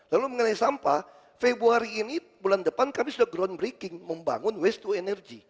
lalu mengenai sampah februari ini bulan depan kami sudah groundbreaking membangun waste to energy